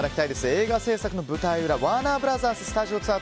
映画制作の舞台裏ワーナー・ブラザーススタジオツアー